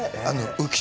浮所